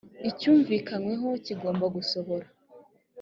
icyumvikanyweho kigomba gusohora.